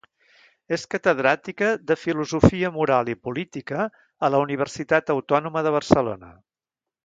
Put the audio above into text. És catedràtica de Filosofia moral i Política a la Universitat Autònoma de Barcelona.